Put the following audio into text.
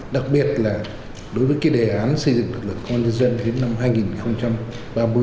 đặc biệt là đối với cái đề án xây dựng lực lượng công an nhân dân đến năm hai nghìn ba mươi